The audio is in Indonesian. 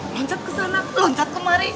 loncat ke sana loncat kemari